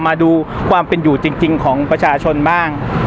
มาดูความเป็นอยู่จริงของประชาชนบ้าง